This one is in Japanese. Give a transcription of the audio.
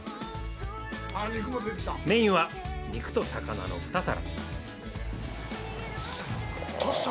メインは肉と魚の２皿。